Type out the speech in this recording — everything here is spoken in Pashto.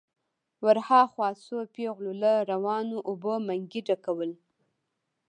ور هاخوا څو پېغلو له روانو اوبو منګي ډکول.